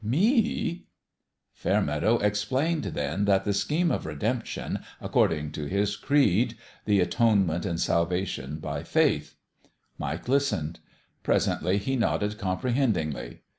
Me!" Fairmeadow explained, then, the scheme of redemption, according to his creed the atone ment and salvation by faith. Mike listened. Presently he nodded comprehendingly.